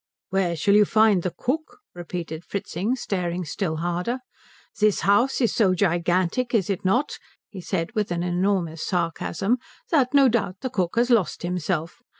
"Where shall you find the cook?" repeated Fritzing, staring still harder. "This house is so gigantic is it not," he said with an enormous sarcasm, "that no doubt the cook has lost himself.